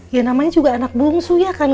ya namanya juga anak bungsu ya kan